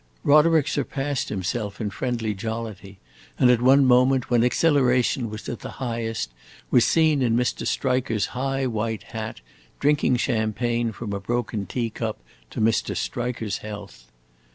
Roderick surpassed himself in friendly jollity, and at one moment, when exhilaration was at the highest, was seen in Mr. Striker's high white hat, drinking champagne from a broken tea cup to Mr. Striker's health.